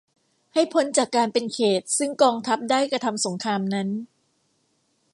ให้พ้นจากการเป็นเขตต์ซึ่งกองทัพได้กระทำสงครามนั้น